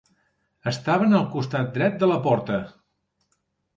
Estaven al costat dret de la porta.